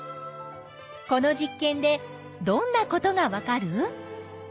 この実験でどんなことがわかる？